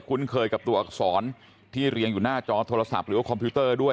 คุ้นเคยกับตัวอักษรที่เรียงอยู่หน้าจอโทรศัพท์หรือว่าคอมพิวเตอร์ด้วย